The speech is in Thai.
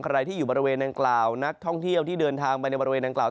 ใครที่อยู่บริเวณดังกล่าวนักท่องเที่ยวที่เดินทางไปในบริเวณดังกล่าว